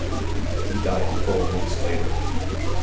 He died four weeks later.